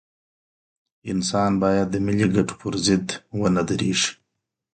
انسان بايد د ملي ګټو پر ضد ونه درېږي.